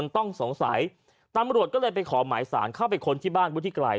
ต้องสงสัยตำรวจก็เลยไปขอหมายสารเข้าไปค้นที่บ้านวุฒิไกร